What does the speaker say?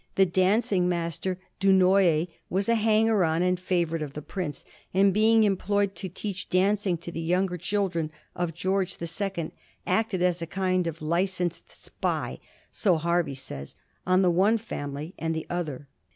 The dancing master, Dunoyer, was a hanger on and favorite of the prince; and, being employed to teach dancing to the younger children of George the Sec ond, acted as a kind of licensed spy, so Hervey says, on the one family and the other.